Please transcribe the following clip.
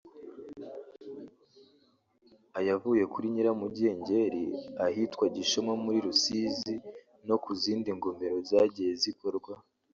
ayavuye kuri Nyiramugengeri ahitwa Gishoma muri Rusizi no ku zindi ngomero zagiye zikorwa